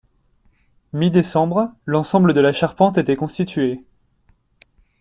Mi-décembre, l’ensemble de la charpente était constitué.